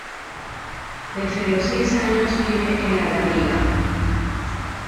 Desde los seis años vive en La Garriga.